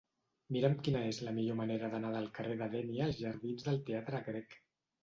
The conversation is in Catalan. Mira'm quina és la millor manera d'anar del carrer de Dénia als jardins del Teatre Grec.